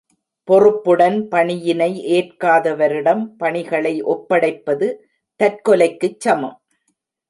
பொறுப்புடன் பணியினை ஏற்காதவரிடம் பணிகளை ஒப்படைப்பது தற்கொலைக்குச் சமம்.